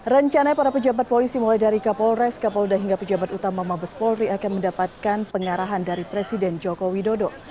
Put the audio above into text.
rencana para pejabat polisi mulai dari kapolres kapolda hingga pejabat utama mabes polri akan mendapatkan pengarahan dari presiden joko widodo